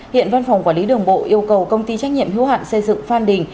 hiện văn phòng quản lý đồng bộ yêu cầu công ty trách nhiệm hiếu hạn xây dựng phan đình